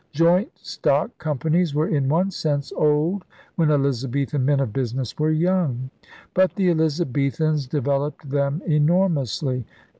Joint stock companies were in one sense old when Elizabethan men of business were young. But the Elizabethans developed them enormously.